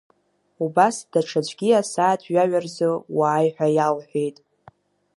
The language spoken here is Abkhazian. Убас даҽаӡәгьы асааҭ жәаҩа рзы уааи ҳәа иалҳәеит.